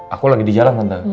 aku lagi di jalan nanti